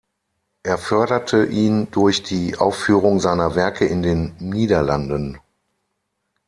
Er förderte ihn durch die Aufführung seiner Werke in den Niederlanden.